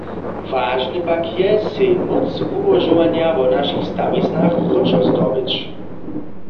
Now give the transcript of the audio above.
Wažne pak je, sej móc wułožowanja wo našich stawiznach wróćo zdobyć.